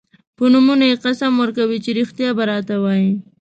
په نومونو یې قسم ورکوي چې رښتیا به راته وايي.